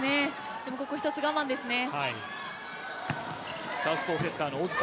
でもここ一つ我慢ですね。